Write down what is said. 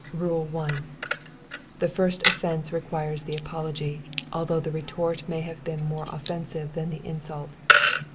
"Rule 1. The first offence requires the apology, although the retort may have been more offensive than the insult.